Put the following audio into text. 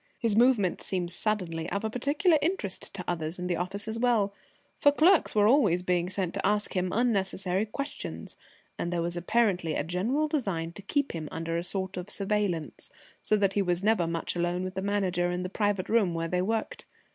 His movements seemed suddenly of particular interest to others in the office as well, for clerks were always being sent to ask him unnecessary questions, and there was apparently a general design to keep him under a sort of surveillance, so that he was never much alone with the Manager in the private room where they worked.